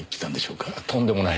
とんでもない。